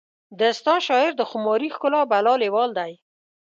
د ستا شاعر د خماري ښکلا بلا لیوال دی